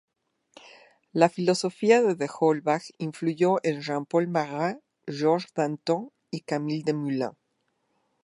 La filosofía de d'Holbach influyó en Jean-Paul Marat, Georges Danton y Camille Desmoulins.